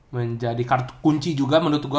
menjadi kunci juga menurut gue